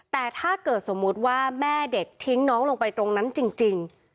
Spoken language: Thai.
แต่ถ้าเกิดสมมุติว่าแม่เด็กทิ้งน้องลงไปตรงนั้นจริง